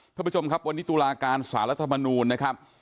เพื่อผู้ชมครับวันนี้ตุลาการสหรรษฐฯทรมานูนนะครับ